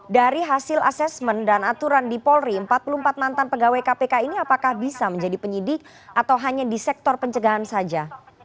dari hasil asesmen dan aturan di polri empat puluh empat mantan pegawai kpk ini apakah bisa menjadi penyidik atau hanya di sektor pencegahan saja